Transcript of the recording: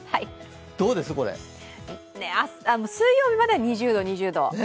水曜日まで、２０度、２０度。